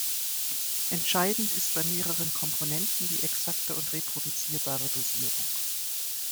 Entscheidend ist bei mehreren Komponenten die exakte und reproduzierbare Dosierung.